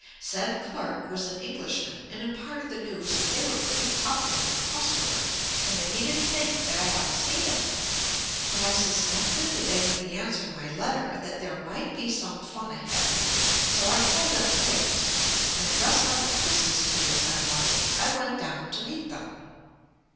Said clerk was an Englishman and imparted the [1451 JUST ME news that they were pretty tough looking cus tomers, and that he didn't think that I ought to see them. But I suspected that they were the answer to my letter, and that there might be some fun ahead, so I told them to wait and dressed like a Christmas tree, as I was, I went down to meet them.